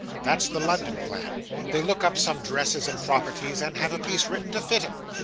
That's the London plan. They look up some dresses, and properties, and have a piece written to fit 'em.